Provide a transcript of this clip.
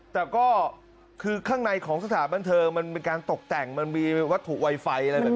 แต่ก็คือข้างในของสถานบันเทิงมันเป็นการตกแต่งมันมีวัตถุไวไฟอะไรแบบนี้